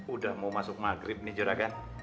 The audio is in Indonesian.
udah mau masuk maghrib nih jerakan